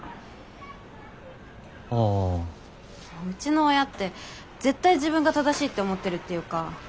うちの親って絶対自分が正しいって思ってるっていうか。